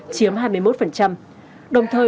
chiếm hai mươi một đồng thời